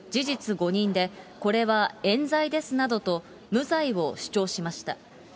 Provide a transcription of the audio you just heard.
誤認で、これはえん罪ですなどと、無罪を主張しました。